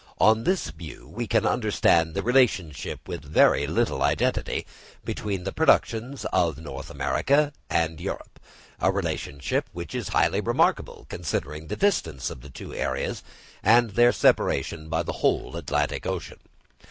On this view we can understand the relationship with very little identity, between the productions of North America and Europe—a relationship which is highly remarkable, considering the distance of the two areas, and their separation by the whole Atlantic Ocean.